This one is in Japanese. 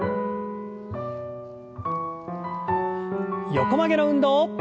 横曲げの運動。